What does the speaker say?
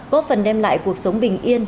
góp phần đem lại cuộc sống bình yên